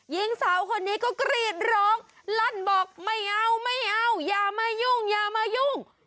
ยิงสาวคนนี้ก็กรีดร้องรันบอกไม่เอาอย่ามายุ่ง